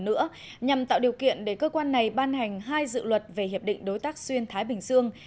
nữa nhằm tạo điều kiện để cơ quan này ban hành hai dự luật về hiệp định đối tác xuyên thái bình dương